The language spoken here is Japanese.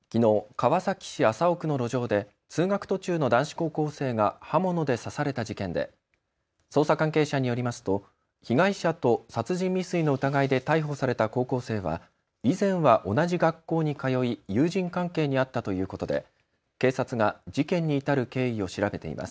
川崎市麻生区の路上で通学途中の男子高校生が刃物で刺された事件で捜査関係者によりますと被害者と殺人未遂の疑いで逮捕された高校生は以前は同じ学校に通い友人関係にあったということで警察が事件に至る経緯を調べています。